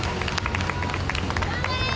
頑張れ。